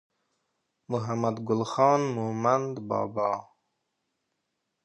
محمد ګل خان مومند بابا